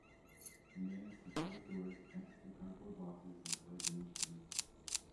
A man sits ourdoors next to cardboard boxes and plays an instrument.